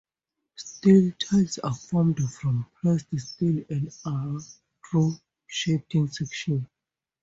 Steel ties are formed from pressed steel and are trough-shaped in section.